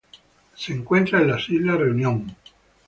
Se encuentra en Reunión.